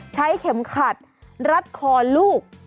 ใช้เข็มขัดรัดคอลูก